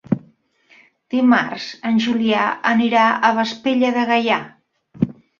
Dimarts en Julià anirà a Vespella de Gaià.